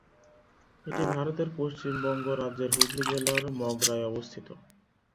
এটি ভারতের পশ্চিমবঙ্গ রাজ্যের হুগলী জেলার মগরায় অবস্থিত।